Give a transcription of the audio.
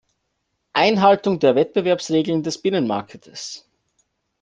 Einhaltung der Wettbewerbsregeln des Binnenmarktes.